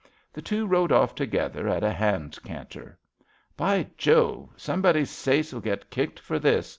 The two rode off together at a hand canter. By Jovel Somebody's sais '11 get kicked for this!